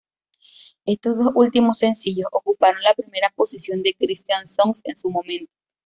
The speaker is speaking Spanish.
Estos dos últimos sencillos ocuparon la primera posición de Christian Songs en su momento.